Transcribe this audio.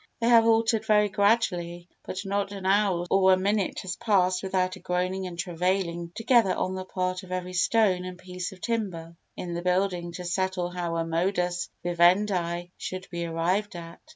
They have altered very gradually, but not an hour or a minute has passed without a groaning and travailing together on the part of every stone and piece of timber in the building to settle how a modus vivendi should be arrived at.